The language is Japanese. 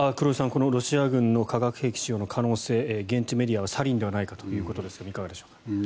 このロシア軍の化学兵器使用の可能性、現地メディアはサリンではないかということですがいかがでしょうか。